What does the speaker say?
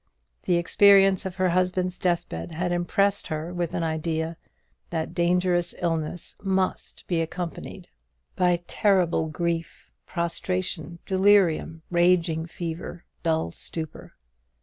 The experience of her husband's deathbed had impressed her with an idea that dangerous illness must be accompanied by terrible prostration, delirium, raging fever, dull stupor.